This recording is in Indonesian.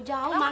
pakai lama nih